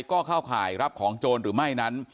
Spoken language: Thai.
ก็เข้าข่ายรับของโจรหรือไม่นั้น